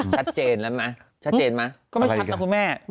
ชัดเจนป่าว